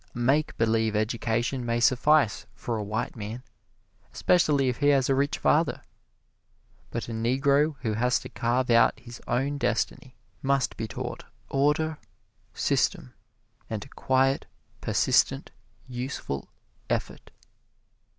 A make believe education may suffice for a white man especially if he has a rich father, but a Negro who has to carve out his own destiny must be taught order, system, and quiet, persistent, useful effort.